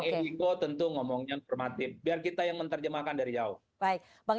di sana bang eriko tentu ngomongnya informatif biar kita yang menerjemahkan dari jauh baik bang